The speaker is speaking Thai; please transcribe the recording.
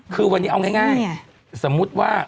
คือวันนี้เอาง่ายสมมุติว่า